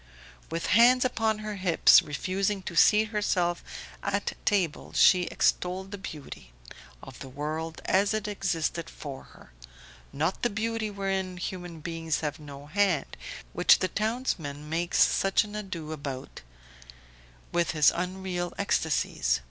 With hands upon her hips, refusing to seat herself at table, she extolled the beauty Of the world as it existed for her: not the beauty wherein human beings have no hand, which the townsman makes such an ado about with his unreal ecstasies.